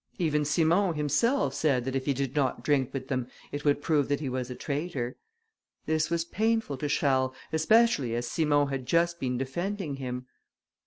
Even Simon himself said, that if he did not drink with them, it would prove that he was a traitor. This was painful to Charles, especially as Simon had just been defending him.